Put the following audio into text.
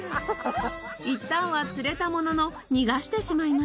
いったんは釣れたものの逃がしてしまいました。